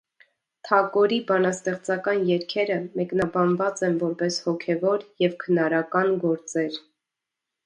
Թակորի բանաստեղծական երգերը մեկնաբանուած են որպէս հոգեւոր եւ քնարական գործեր։